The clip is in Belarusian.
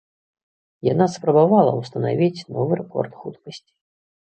Яна спрабавала ўстанавіць новы рэкорд хуткасці.